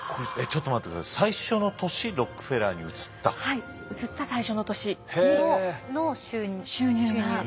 はい移った最初の年の収入が。